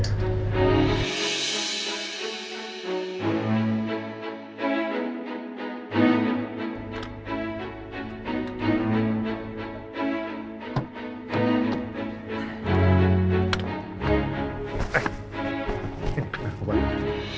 aku akan beri kamu